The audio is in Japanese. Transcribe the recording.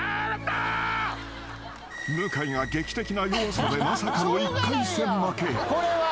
［向井が劇的な弱さでまさかの１回戦負け］